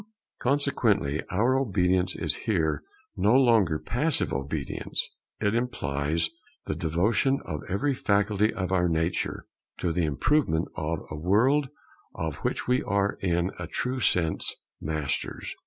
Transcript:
Consequently our obedience is here no longer passive obedience: it implies the devotion of every faculty of our nature to the improvement of a world of which we are in a true sense masters.